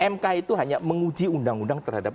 mk itu hanya menguji undang undang terhadap